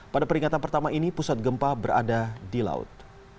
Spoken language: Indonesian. pada peringatan pertama ini pusat gempa berada di laut